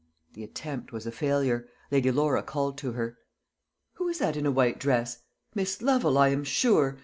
The attempt was a failure. Lady Laura called to her. "Who is that in a white dress? Miss Lovel, I am sure.